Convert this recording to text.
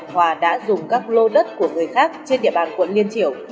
hòa đã dùng các lô đất của người khác trên địa bàn quận liên triều